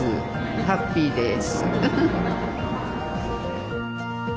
ハッピーです。